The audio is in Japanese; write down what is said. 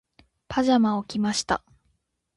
パジャマを着ました。